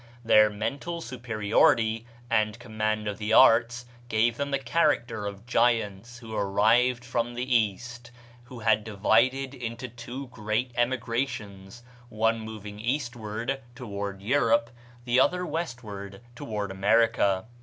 Their mental superiority and command of the arts gave them the character of giants who arrived from the East; who had divided into two great emigrations, one moving eastward (toward Europe), the other westward (toward America).